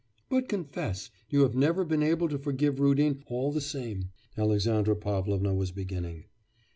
'But confess, you have never been able to forgive Rudin, all the same,' Alexandra Pavlovna was beginning.